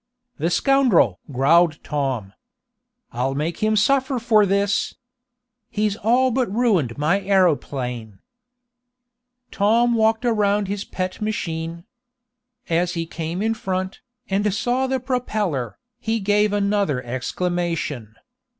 "The scoundrel!" growled Tom. "I'll make him suffer for this! He's all but ruined my aeroplane." Tom walked around his pet machine. As he came in front, and saw the propeller, he gave another exclamation.